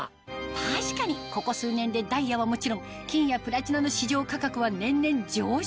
確かにここ数年でダイヤはもちろん金やプラチナの市場価格は年々上昇